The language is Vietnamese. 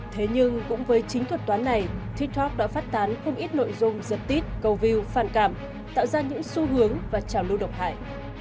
thế nhưng cũng với chính thuật toán này tiktok đã phát tán không ít nội dung giật tít câu view phản cảm tạo ra những xu hướng và trào lưu độc hại